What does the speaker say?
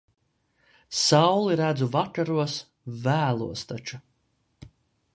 Sauli redzu vakaros vēlos taču.